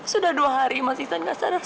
sudah dua hari mas iksan tidak sadar